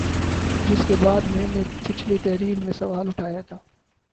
جس کے بعد میں نے پچھلی تحریر میں سوال اٹھایا تھا